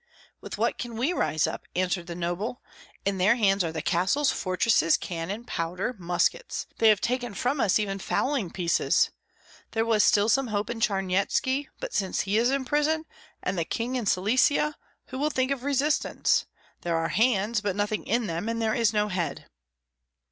"With what can we rise up?" answered the noble. "In their hands are the castles, fortresses, cannon, powder, muskets; they have taken from us even fowling pieces. There was still some hope in Charnyetski; but since he is in prison, and the king in Silesia, who will think of resistance? There are hands, but nothing in them, and there is no head."